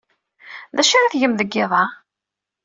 D acu ara tgem deg yiḍ-a?